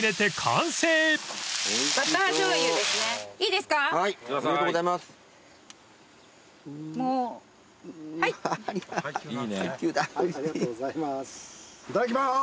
いただきます！